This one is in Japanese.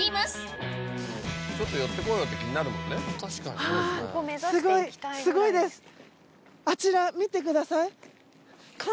すごいです。